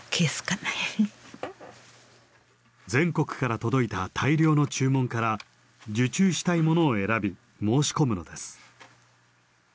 全国から届いた大量の注文から受注したいものを選び申し込むのです。